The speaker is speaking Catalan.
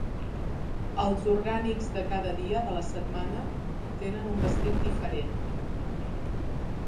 Els orgànics de cada dia de la setmana tenen un vestit diferent.